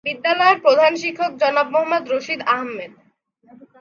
বিদ্যালয়ের প্রধান শিক্ষক জনাব মোহাম্মদ রশিদ আহমেদ।